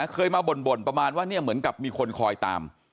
เคยมาบ่นประมาณว่าเนี่ยเหมือนกับมีคนคอยตาม